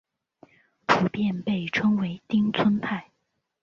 普遍被称为町村派。